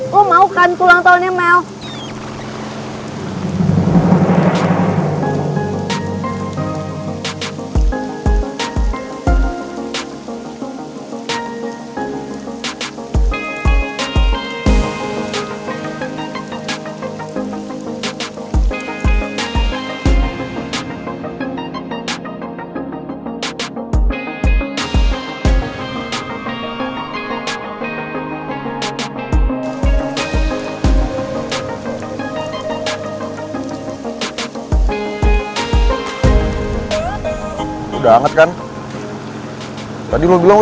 lo mau kan pulang tahunnya mel